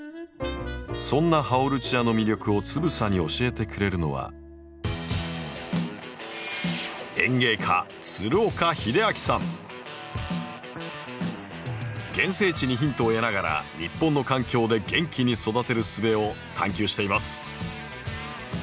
そんなハオルチアの魅力をつぶさに教えてくれるのは原生地にヒントを得ながら日本の環境で元気に育てるすべを探求しています。